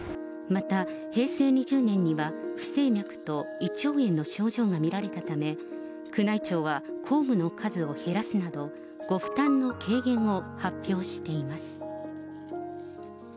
また平成２０年には、不整脈と胃腸炎の症状が見られたため、宮内庁は公務の数を減らすなど、ご負担の軽減を発表しています。